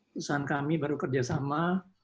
perusahaan kami baru kerjasama